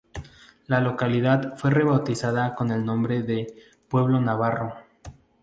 La localidad fue rebautizada con el nombre de Pueblo Navarro.